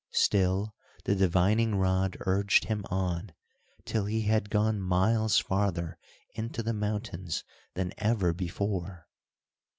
Still the divining rod urged him on, till he had gone miles farther into the mountains than ever before.